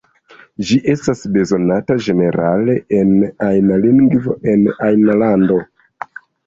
Ĝi estas bezonata ĝenerale, en ajna lingvo, en ajna lando.